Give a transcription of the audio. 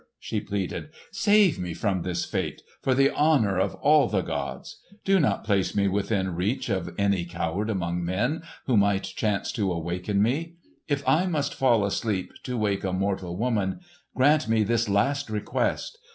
she pleaded, "save me from this fate, for the honour of all the gods! Do not place me within reach of any coward among men, who might chance to awaken me. If I must fall asleep to wake a mortal woman, grant me this last request.